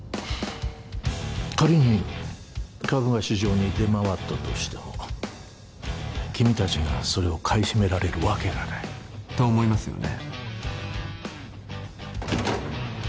仮に株が市場に出回ったとしても君達がそれを買い占められるわけがないと思いますよね